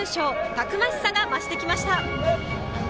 たくましさが増してきました。